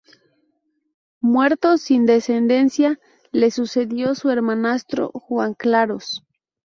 Muerto sin descendencia, le sucedió su hermanastro Juan Claros.